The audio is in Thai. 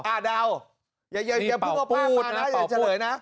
อ่ะเดาอย่าพึ่งเอาพากล้างมานะอย่าเฉลยนะ